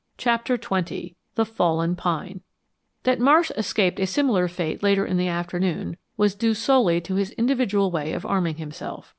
CHAPTER XX THE FALLEN PINE That Marsh escaped a similar fate later in the afternoon was due solely to his individual way of arming himself.